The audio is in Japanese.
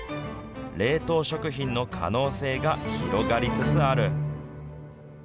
冷凍食品の可能性が広がりつつある。